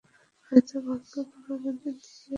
হয়ত ভাগ্য এবার আমাদের দিকে মুখ তুলে তাকিয়েছে!